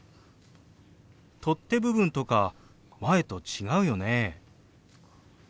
取っ手部分とか前と違うよね？